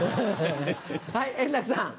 はい円楽さん。